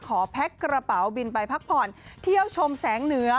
แพ็คกระเป๋าบินไปพักผ่อนเที่ยวชมแสงเหนือ